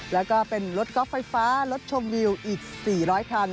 แล้วก็เป็นรถก๊อฟไฟฟ้ารถชมวิวอีก๔๐๐คัน